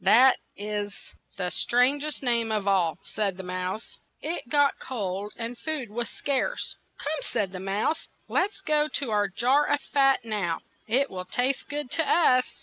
"That is the stran gest name of all," said the mouse. It got cold, and food was scarce. "Come," said the mouse, "let us go to our jar of fat now; it will taste good to us."